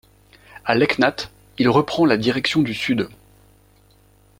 À Leknath, il reprend la direction du sud.